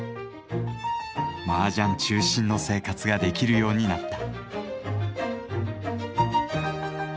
麻雀中心の生活ができるようになった。